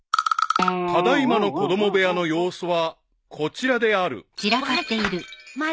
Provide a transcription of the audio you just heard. ［ただ今の子供部屋の様子はこちらである］